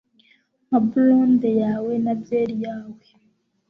Nka blonde yawe na byeri yawe